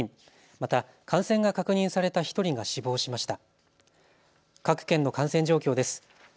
また感染が確認された１人が死亡しました。